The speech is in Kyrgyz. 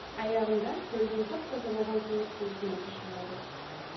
Аягында көлдүн таптаза болгон тунук суусуна түшүп алдык.